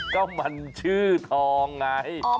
ก็มันชื่อทองไงงูนทอง